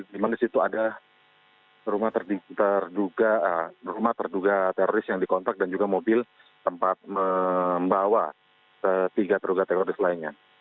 di mana di situ ada rumah terduga teroris yang dikontak dan juga mobil tempat membawa tiga terduga teroris lainnya